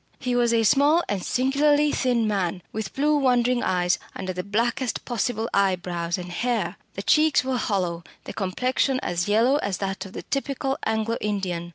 He was a small and singularly thin man, with blue wandering eyes under the blackest possible eyebrows and hair. The cheeks were hollow, the complexion as yellow as that of the typical Anglo Indian.